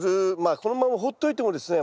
このままほっておいてもですね